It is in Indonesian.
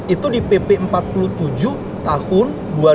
itu di pp empat puluh tujuh tahun dua ribu dua